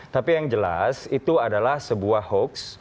tapi yang jelas itu adalah sebuah hoax